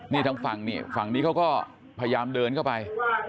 นี่ทางฝั่งนี่ฝั่งนี้เขาก็พยายามเดินเข้าไป